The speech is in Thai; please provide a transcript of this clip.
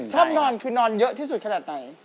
ชอบนอนคือนอนเยอะที่สุดขนาดไหน